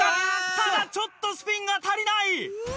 ただちょっとスピンが足りない。